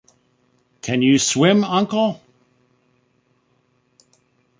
Can you swim, uncle?